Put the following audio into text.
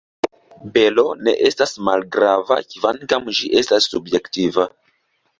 Belo ne estas malgrava, kvankam ĝi estas subjektiva.